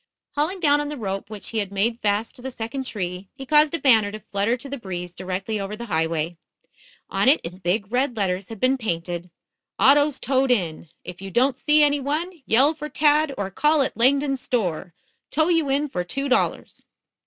Hauling down on the rope which he had made fast to the second tree, he caused a banner to flutter to the breeze directly over the highway. On it in big red letters had been painted: AUTOS TOWED IN. IF YOU DON'T SEE ANY ONE, YELL FOR TAD OR CALL AT LANGDON'S STORE. TOW YOU IN FOR TWO DOLLARS.